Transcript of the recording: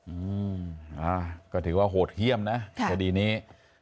อืมอ่าก็ถือว่าโหดเยี่ยมนะคดีนี้